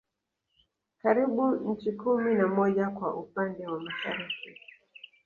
Karibia nchi kumi na moja kwa upande wa Mashariki